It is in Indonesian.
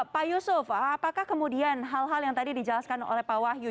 pak yusuf apakah kemudian hal hal yang tadi dijelaskan oleh pak wahyu